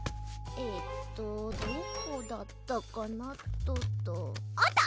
えっとどこだったかなっとあった！